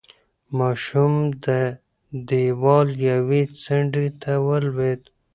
ماشوم د دېوال یوې څنډې ته ولوېد.